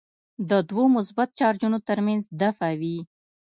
د دوو مثبت چارجونو ترمنځ دفعه وي.